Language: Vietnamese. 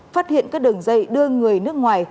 phát hiện các đường dây đưa người nước ngoài